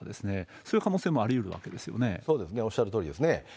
そういう可能性もありうるわけでそうですね、おっしゃるとおりですね。